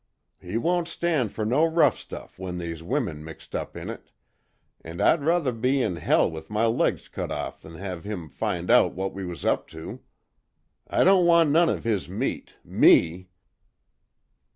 He won't stand fer no rough stuff when they's women mixed up in it, an' I'd ruther be in hell with my legs cut off than have him find out what we was up to. I don't want none of his meat me!"